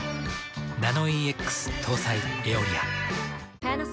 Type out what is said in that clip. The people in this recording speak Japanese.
ナノイーＸ搭載「エオリア」。